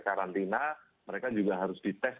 karantina mereka juga harus dites